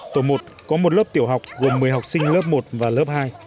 tổ một có một lớp tiểu học gồm một mươi học sinh lớp một và lớp hai